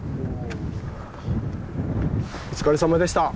お疲れさまでした！